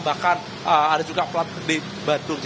bahkan ada juga plat di bandung